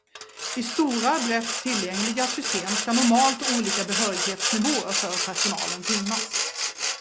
I stora, brett tillgängliga system ska normalt olika behörighetsnivåer för personalen finnas.